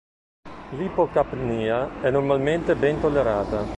L'ipocapnia è normalmente ben tollerata.